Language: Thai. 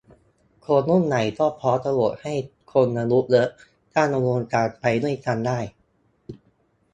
คนรุ่นใหม่ก็พร้อมจะโหวตให้คนอายุเยอะถ้าอุดมการณ์ไปด้วยกันได้